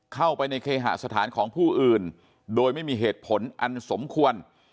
เข้าไปในเคหสถานของผู้อื่นโดยไม่มีเหตุผลอันสมควร